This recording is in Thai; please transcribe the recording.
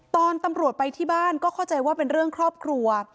ตอนตำรวจไปที่บ้านก็เข้าใจว่าเป็นเรื่องครอบครัว